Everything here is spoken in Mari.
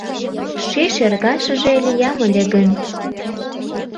Ший шергашыже лиям ыле гын